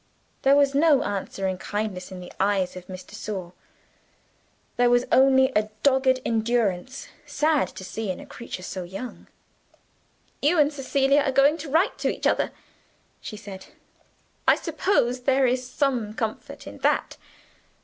There was no answering kindness in the eyes of Miss de Sor there was only a dogged endurance, sad to see in a creature so young. "You and Cecilia are going to write to each other," she said. "I suppose there is some comfort in that.